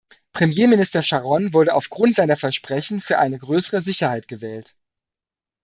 Premierminister Sharon wurde auf Grund seiner Versprechen für eine größere Sicherheit gewählt.